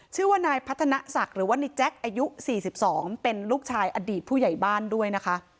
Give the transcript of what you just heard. ชื่อว่านายพัฒนศักดิ์หรือว่าในแจ๊คอายุ๔๒เป็นลูกชายอดีตผู้ใหญ่บ้านด้วยนะคะ